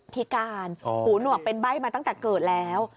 พิการหูหนวกเป็นใบ้มาตั้งแต่เกิดแล้ว